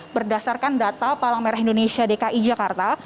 berdasarkan data palang merah indonesia dki jakarta